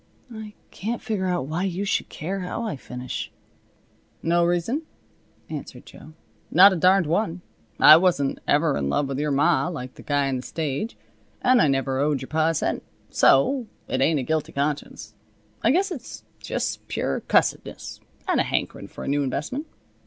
"I can't figure out why you should care how I finish." "No reason," answered Jo. "Not a darned one. I wasn't ever in love with your ma, like the guy on the stage; and I never owed your pa a cent. So it ain't a guilty conscience. I guess it's just pure cussedness, and a hankerin' for a new investment.